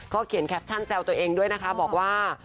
เขียนแคปชั่นแซวตัวเองด้วยนะคะบอกว่า